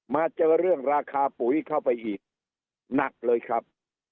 มาเจอเรื่องราคาปุ๋ยเข้าไปอีกหนักเลยครับ